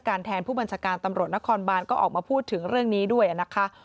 แทนผู้บัญชาการตำรวจนครบานก็ออกมาพูดถึงเรื่องนี้ด้วยนะคะ